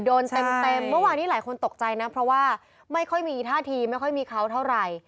โดนเต็มเมื่อวานนี้หลายคนตกใจนะเพราะว่าไม่ค่อยมีท่าทีไม่ค่อยมีเขาเท่าไหร่